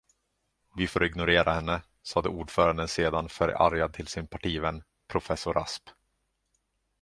Vi får ignorera henne, sade ordföranden sedan förargad till sin partivän, professor Rasp.